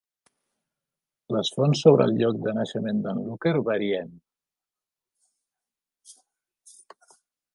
Les fonts sobre el lloc de naixement d'en Looker varien.